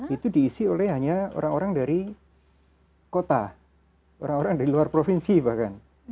itu diisi oleh hanya orang orang dari kota orang orang dari luar provinsi bahkan